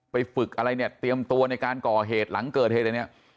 ฝึกอะไรเนี่ยเตรียมตัวในการก่อเหตุหลังเกิดเหตุอะไรเนี่ย